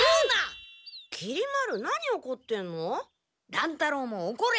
乱太郎もおこれ！